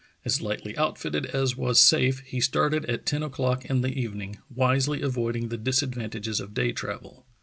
As lightly outfitted as was safe, he started at ten o'clock in the evening, wisely avoiding the disadvantages of day travel.